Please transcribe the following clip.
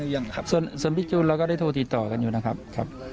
ยังคูมค์ความจริงไม่หมดนะครับ